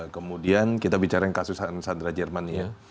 kemudian kita bicara yang kasus sandra jerman ya